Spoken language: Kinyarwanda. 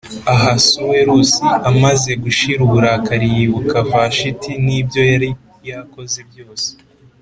Ahasuwerusi b amaze gushira uburakari yibuka Vashiti c n ibyo yari yakoze d byose